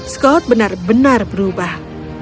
scott benar benar berubah